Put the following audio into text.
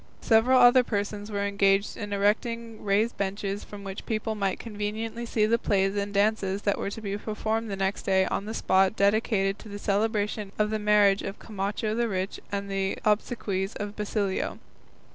Several other persons were engaged in erecting raised benches from which people might conveniently see the plays and dances that were to be performed the next day on the spot dedicated to the celebration of the marriage of Camacho the rich and the obsequies of Basilio.